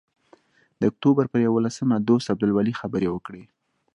د اکتوبر پر یوولسمه دوست عبدالولي خبرې وکړې.